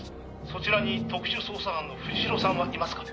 「そちらに特殊捜査班の藤代さんはいますか？」